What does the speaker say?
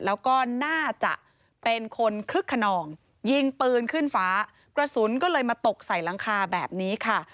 แล้วก็น่าจะเป็นคนคึกขนองยิงปืนขึ้นฟ้ากระสุนก็เลยมาตกใส่หลังคาแบบนี้ค่ะ